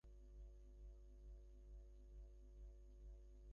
বক্তা অনেকগুলির জবাব কৌশলে এড়াইয়া যান।